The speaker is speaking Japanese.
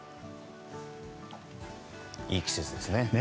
いい季節ですね。